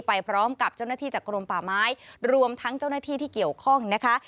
ไปพร้อมกับเจ้าหน้าที่จากกรมป่าไม้รวมทั้งเจ้าหน้าที่ที่เกี่ยวข้องนะคะ